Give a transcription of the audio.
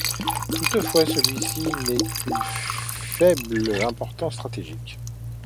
Toutefois, celui-ci n'a qu'une faible importance stratégique.